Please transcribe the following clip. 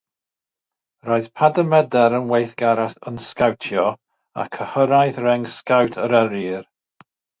Roedd Paramedr yn weithgar yn sgowtio, a chyrhaeddodd reng Sgowt yr Eryr.